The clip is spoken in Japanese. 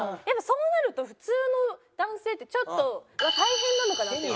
やっぱそうなると普通の男性ってちょっと大変なのかな。